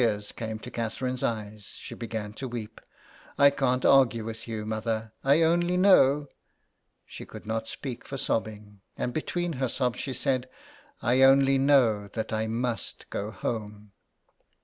Tears came to Catherine's eyes, she began to weep. " I can't argue with you, mother, I only know " She could not speak for sobbing, and between her sobs she said, " I only know that I must go home."